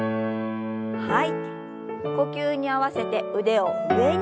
呼吸に合わせて腕を上に。